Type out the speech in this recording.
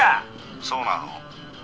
そうなの？